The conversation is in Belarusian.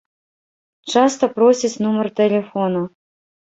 Часта просяць нумар тэлефона.